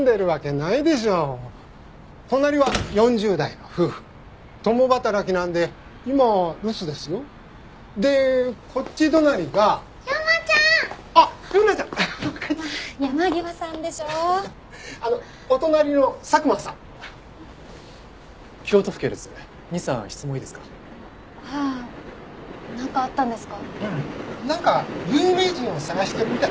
なんか有名人を探してるみたい。